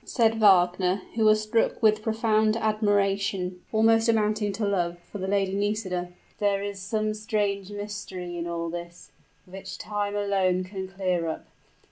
said Wagner, who was struck with profound admiration almost amounting to love for the Lady Nisida: "there is some strange mystery in all this, which time alone can clear up.